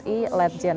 ketua umum pbpjn